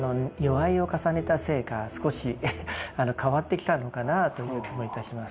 齢を重ねたせいか少し変わってきたのかなという気もいたします。